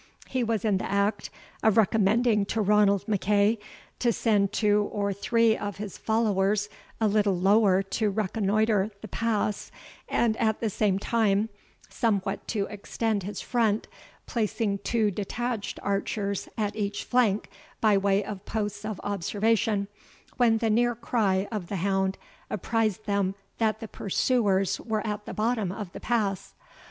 He was in the act of recommending to Ranald MacEagh, to send two or three of his followers a little lower to reconnoitre the pass, and, at the same time, somewhat to extend his front, placing two detached archers at each flank by way of posts of observation, when the near cry of the hound apprised them that the pursuers were at the bottom of the pass.